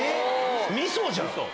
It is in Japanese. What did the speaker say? みそじゃん！